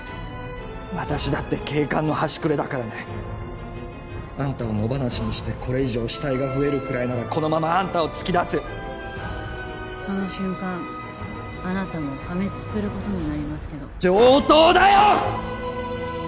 私だって警官の端くれだからねあんたを野放しにしてこれ以上死体が増えるくらいならこのままあんたを突き出すその瞬間あなたも破滅することになりますけど上等だよ！